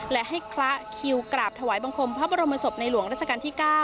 และให้คละคิวกราบถวายบังคมพระบรมศพในหลวงราชการที่๙